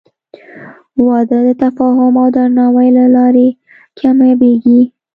• واده د تفاهم او درناوي له لارې کامیابېږي.